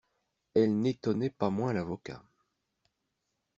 Elles n'étonnaient pas moins l'avocat.